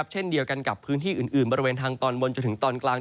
เช่นเดียวกันกับพื้นที่อื่นบริเวณทางตอนบนจนถึงตอนกลาง